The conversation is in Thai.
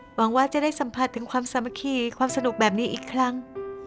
หวังว่าจะได้สัมผัสถึงความสามัคคีความสนุกแบบนี้อีกครั้ง